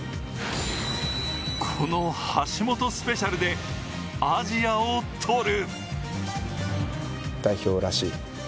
この橋本スペシャルでアジアを取る！